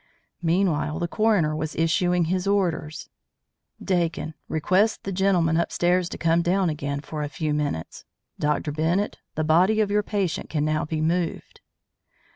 Meanwhile the coroner was issuing his orders. "Dakin, request the gentlemen upstairs to come down again for a few minutes. Dr. Bennett, the body of your patient can now be moved."